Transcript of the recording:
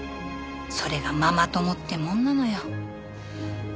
それがママ友ってもんなのよ。